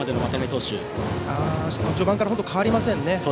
序盤から変わりませんね。